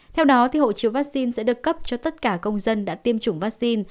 theo đó hộ chiếu vaccine sẽ được cấp cho tất cả công dân đã tiêm chủng vaccine